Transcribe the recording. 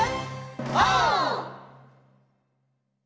オー！